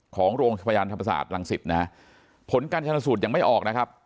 ของโรงพยาบาลธรรมศาสตร์รังสิตนะฮะผลการชนสูตรยังไม่ออกนะครับ